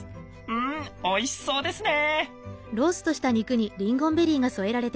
うんおいしそうですね！